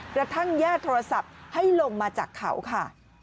กระทั่งญาติโทรศัพท์ให้ลงมาจากเขาค่ะ